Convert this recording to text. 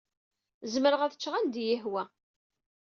Zemreɣ ad ččeɣ anda i yi-ihwa.